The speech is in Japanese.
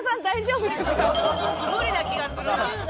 無理な気がするな。